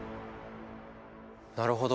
なるほど。